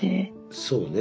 そうね。